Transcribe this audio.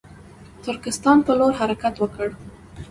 ترکستان پر لور حرکت وکړ.